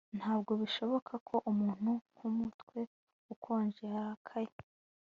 Ntabwo bishoboka ko umuntu nkumutwe ukonje yarakaye